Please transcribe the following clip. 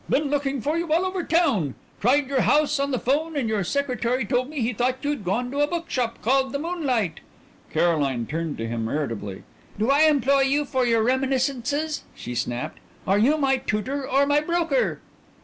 "Been looking for you all over town. Tried your house on the 'phone and your secretary told me he thought you'd gone to a bookshop called the Moonlight " Caroline turned to him irritably. "Do I employ you for your reminiscences?" she snapped. "Are you my tutor or my broker?"